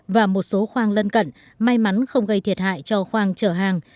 và một số khoang lân cận may mắn không gây thiệt hại cho khoang chở hàng